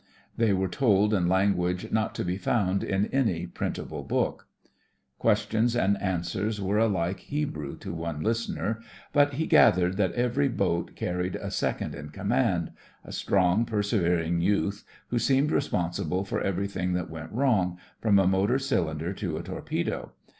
They were told in language not to be found in any printable book. 44 THE FRINGES OF THE FLEET Questions and answers were alike Hebrew to one listener, but he gath ered that every boat carried a second in command — a strong, persevering youth, who seemed responsible for everything that went wrong, from a motor cylinder to a torpedo.